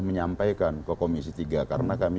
menyampaikan ke komisi tiga karena kami